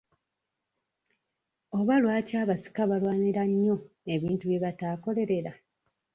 Oba lwaki abasika balwanira nnyo ebintu bye bataakolerera?